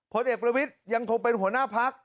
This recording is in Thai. ผลเอกประวิทย์ยังคงเป็นหัวหน้าพัก